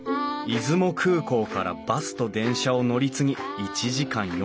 出雲空港からバスと電車を乗り継ぎ１時間４５分。